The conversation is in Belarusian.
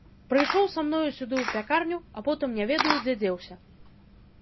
Прыйшоў са мною сюды ў пякарню, а потым не ведаю, дзе дзеўся!